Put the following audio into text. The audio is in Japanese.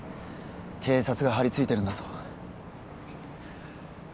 警察が張り付いてるんだぞ